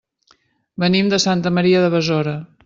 Venim de Santa Maria de Besora.